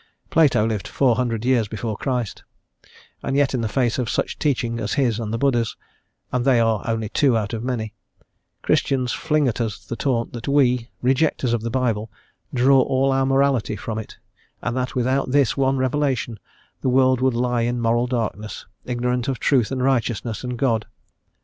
Plato lived 400 years before Christ, and yet in the face of such teaching as his and Buddha's, and they are only two out of many Christians fling at us the taunt that we, rejectors of the Bible, draw all our morality from it, and that without this one revelation the world would lie in moral darkness, ignorant of truth and righteousness and God.